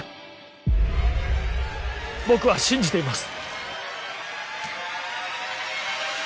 僕は信じています。